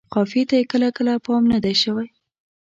قافیې ته یې کله کله پام نه دی شوی.